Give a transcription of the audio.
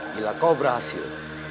bila kau berhasil